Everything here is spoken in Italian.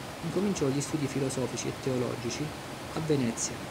Incominciò gli studi filosofici e teologici a Venezia.